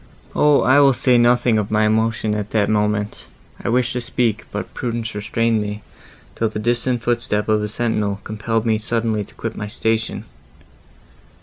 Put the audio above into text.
O! I will say nothing of my emotion at that moment; I wished to speak, but prudence restrained me, till the distant foot step of a sentinel compelled me suddenly to quit my station.